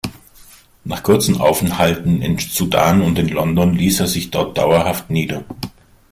Nach kurzen Aufenthalten im Sudan und in London ließ er sich dort dauerhaft nieder.